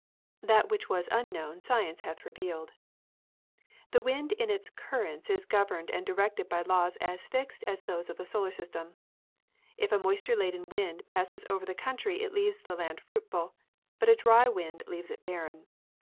That which was unknown, science hath revealed. The wind in its currents is governed and directed by laws as fixed as those of the solar system. If a moisture laden wind passes over the country it leaves the land fruitful; but a dry wind leaves it barren.